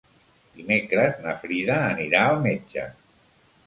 Dimecres na Frida anirà al metge.